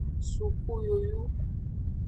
Suku yoyu.